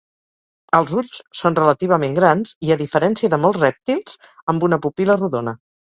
Els ulls són relativament grans i, a diferència de molts rèptils, amb una pupil·la rodona.